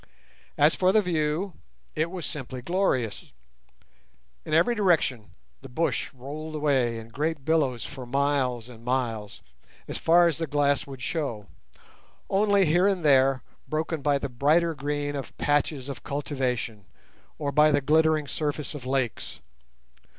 As for the view, it was simply glorious. In every direction the bush rolled away in great billows for miles and miles, as far as the glass would show, only here and there broken by the brighter green of patches of cultivation, or by the glittering surface of lakes.